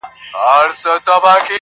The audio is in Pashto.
درواغجن دي درواغ وايي، عاقل دې قياس کوي.